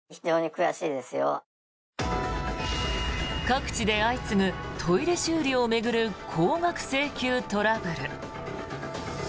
各地で相次ぐトイレ修理を巡る高額請求トラブル。